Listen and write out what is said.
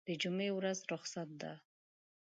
دجمعې ورځ رخصت ده